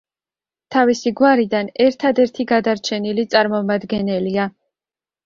თავისი გვარიდან ერთადერთი გადარჩენილი წარმომადგენელია.